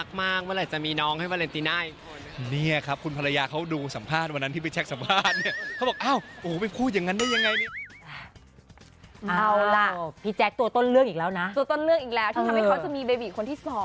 ตัวต้นเลื่องอีกแล้วทำให้เขามีเบบีคนที่๒